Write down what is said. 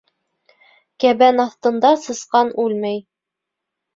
Кәбән аҫтында сысҡан үлмәй